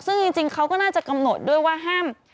ซึ่งจริงเขาก็น่าจะกำหนดด้วยว่าห้าม